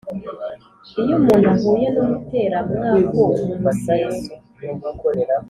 lyo umuntu ahuye n'umuteramwaku mu museso,